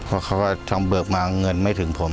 เพราะเขาก็ทำเบิกมาเงินไม่ถึงผม